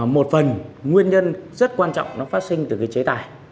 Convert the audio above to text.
một phần nguyên nhân rất quan trọng nó phát sinh từ cái chế tài